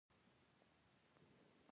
هره ورځ یې پر شا تګ کړی دی.